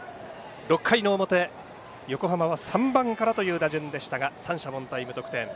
６回の表、横浜は３番からという打順でしたが三者凡退、無得点。